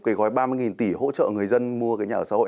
cái gói ba mươi tỷ hỗ trợ người dân mua cái nhà ở xã hội